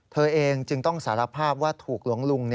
เธอเองจึงต้องสารภาพว่าถูกหลวงลุง